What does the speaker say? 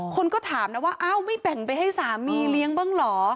คนก็ถามนะว่าอ้าวไม่แบ่งไปให้สามีเลี้ยงบ้างเหรอ